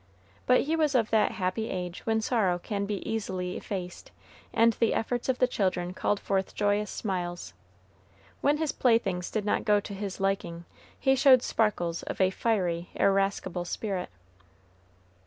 But he was of that happy age when sorrow can be easily effaced, and the efforts of the children called forth joyous smiles. When his playthings did not go to his liking, he showed sparkles of a fiery, irascible spirit.